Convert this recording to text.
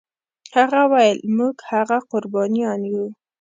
هغه ویل موږ هغه قربانیان یو.